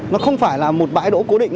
nó không phải là một bãi đỗ cố định